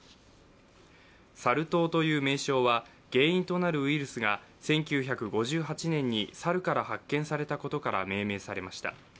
サル痘という名称は原因となるウイルスが１９５８年に猿から発見されたことから命名されました。